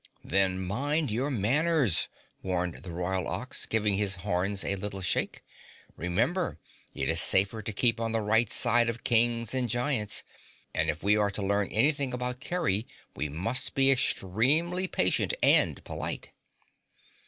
"Then mind your manners!" warned the Royal Ox, giving his horns a little shake. "Remember it is safer to keep on the right side of Kings and Giants, and if we are to learn anything about Kerry we must be extremely patient and polite."